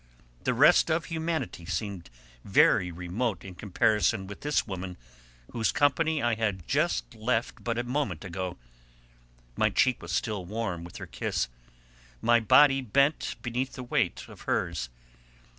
The rest of humanity seemed very remote in comparison with this woman whose company I had left but a moment ago: my cheek was still warm with her kiss, my body bent beneath the weight of hers.